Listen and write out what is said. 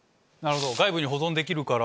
外部に保存できるから。